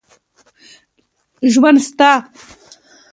ژوند سته.